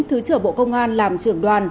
thứ trưởng bộ công an làm trưởng đoàn